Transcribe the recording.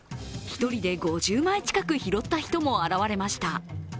１人で５０枚近く拾った人も現れました。